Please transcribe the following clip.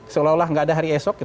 seolah gak ada hari esok